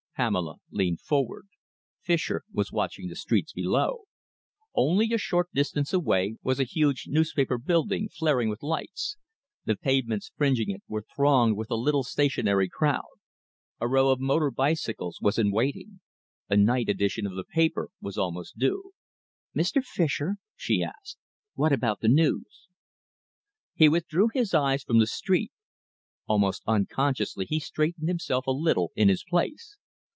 Pamela leaned forward. Fischer was watching the streets below; Only a short distance away was a huge newspaper building, flaring with lights. The pavements fringing it were thronged with a little stationary crowd. A row of motor bicycles was in waiting. A night edition of the paper was almost due. "Mr. Fischer," she asked, "what about that news?" He withdrew his eyes from the street. Almost unconsciously he straightened himself a little in his place.